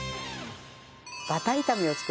バター炒めを作ります。